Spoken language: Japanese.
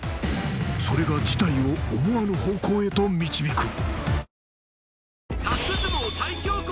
それが事態を思わぬ方向へと導く！